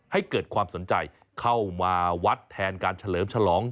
ให้เกิดความสนใจเข้ามาวัดแทนการเฉลิมฉลอง